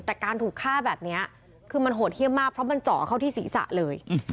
แต่การถูกฆ่าแบบนี้คือมันโหดเยี่ยมมากเพราะมันเจาะเข้าที่ศีรษะเลย